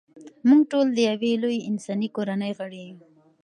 موږ ټول د یوې لویې انساني کورنۍ غړي یو.